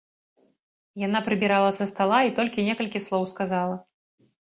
Яна прыбірала са стала і толькі некалькі слоў сказала.